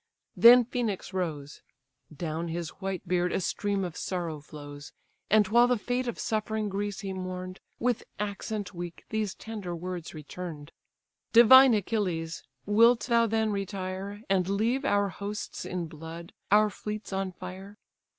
Then Phœnix rose; (Down his white beard a stream of sorrow flows;) And while the fate of suffering Greece he mourn'd, With accent weak these tender words return'd. PROSERPINE "Divine Achilles! wilt thou then retire, And leave our hosts in blood, our fleets on fire?